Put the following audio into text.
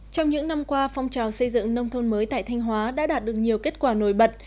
trong những năm qua phong trào xây dựng nông thôn mới tại thanh hóa đã đạt được nhiều kết quả nổi bật